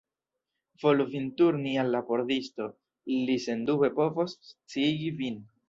Volu vin turni al la pordisto; li sendube povos sciigi vin.